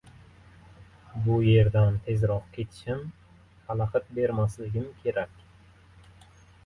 Bu yerdan tezroq ketishim. xalaqit bermasligim kerak.